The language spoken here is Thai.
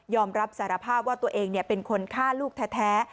รับสารภาพว่าตัวเองเป็นคนฆ่าลูกแท้